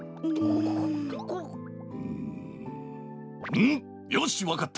うむよしわかった！